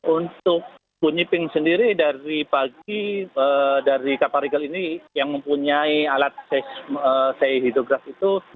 untuk bunyi pink sendiri dari pagi dari kapal regal ini yang mempunyai alat sei hidrograf itu